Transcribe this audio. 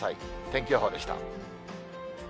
天気予報でした。